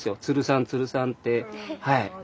鶴さん鶴さんってはい。